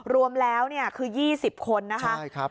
รวมแล้วคือ๒๐คนนะคะ